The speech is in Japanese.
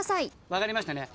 分かりましたね。